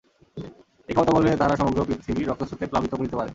এই ক্ষমতাবলে তাহারা সমগ্র পৃথিবী রক্তস্রোতে প্লাবিত করিতে পারে।